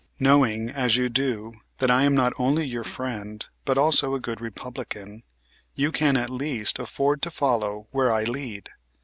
Knowing, as you do, that I am not only your friend but also a good Republican, you can at least afford to follow where I lead.